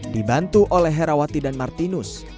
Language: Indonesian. dibantu oleh herawati dan martinus